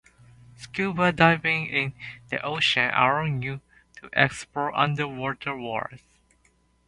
Scuba diving in the ocean allows you to explore underwater worlds.